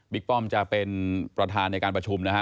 ป้อมจะเป็นประธานในการประชุมนะฮะ